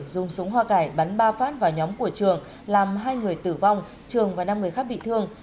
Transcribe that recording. dùng súng hoa cải bắn ba phát vào nhóm của trường làm hai người tử vong trường và năm người khác bị thương